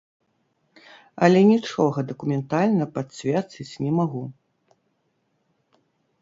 Але нічога дакументальна пацвердзіць не магу.